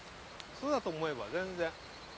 それだと思えば全然。